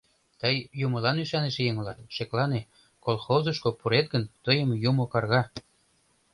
Тый юмылан ӱшаныше еҥ улат, шеклане: колхозышко пурет гын, тыйым юмо карга.